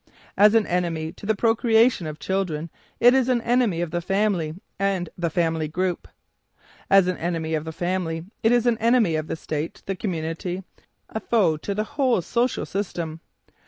As an enemy to the procreation of children it is an enemy of the family and the family group. As an enemy of the family, it is an enemy of the state, the community, a foe to the whole social system.